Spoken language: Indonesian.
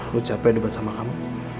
lu capek debat sama kamu